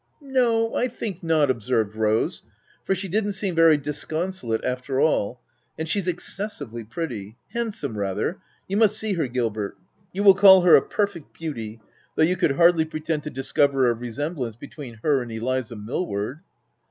'*" No, I think not/' observed Rose ;" for she didn't seem very disconsolate after all ; and she's excessively pretty — handsome rather — you must see her Gilbert ; you will call her a per fect beauty, though you could hardly pretend to discover a resemblance between her and Eliza Millward."